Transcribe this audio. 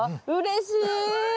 うれしい！